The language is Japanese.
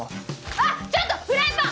あっちょっとフライパン！